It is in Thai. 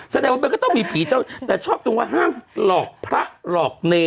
แสดงว่ามันก็ต้องมีผีเจ้าแต่ชอบตรงว่าห้ามหลอกพระหลอกเนร